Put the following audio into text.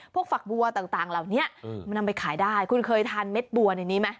ฝักบัวต่างเหล่านี้มันนำไปขายได้คุณเคยทานเม็ดบัวในนี้ไหม